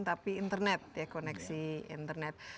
tapi internet ya koneksi internet